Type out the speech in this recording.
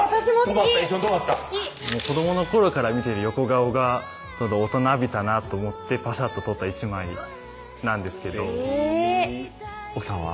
止まった一緒に止まった子どもの頃から見ている横顔が大人びたなと思ってパシャッと撮った１枚なんですけどすてき奥さんは？